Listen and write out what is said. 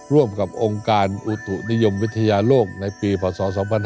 ร่วมกับองค์การอุตุนิยมวิทยาโลกในปีพศ๒๕๕๙